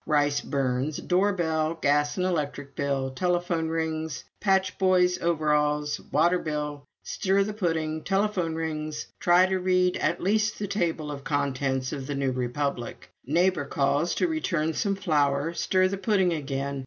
Rice burns. Door bell gas and electric bill. Telephone rings. Patch boys' overalls. Water bill. Stir the pudding. Telephone rings. Try to read at least the table of contents of the "New Republic." Neighbor calls to return some flour. Stir the pudding again.